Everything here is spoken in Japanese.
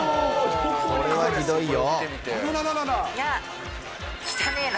これはひどいよ。